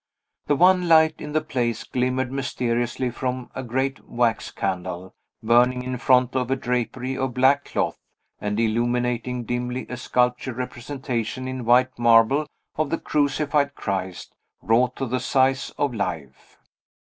The one light in the place glimmered mysteriously from a great wax candle, burning in front of a drapery of black cloth, and illuminating dimly a sculptured representation, in white marble, of the crucified Christ, wrought to the size of life.